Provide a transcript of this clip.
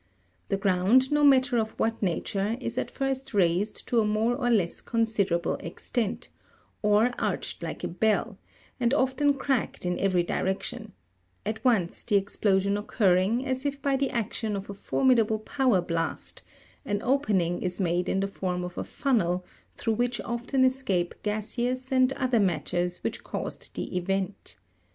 The ground, no matter of what nature, is at first raised to a more or less considerable extent, or arched like a bell, and often cracked in every direction ; at once, the explosion occurring, as if by the action of a formidable powder blast, an opening is made in the form of a funnel, through which often escape gaseous and other matters which caused the event.